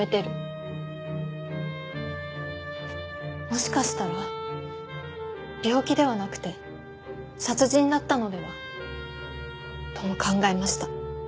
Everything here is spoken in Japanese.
もしかしたら病気ではなくて殺人だったのでは？とも考えました。